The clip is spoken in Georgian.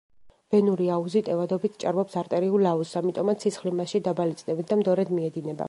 ვენური აუზი ტევადობით ჭარბობს არტერიულ აუზს, ამიტომაც სისხლი მასში დაბალი წნევით და მდორედ მიედინება.